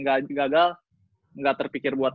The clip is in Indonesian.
gagal gak terpikir buat